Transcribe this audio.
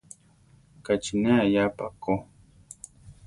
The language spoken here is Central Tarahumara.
Ka chi ne aʼyá pa ko.